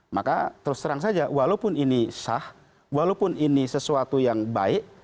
maka terus terang saja walaupun ini sah walaupun ini sesuatu yang baik